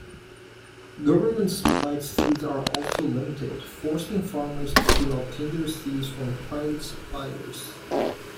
Government-supplied seeds are also limited, forcing farmers to obtain their seeds from private suppliers.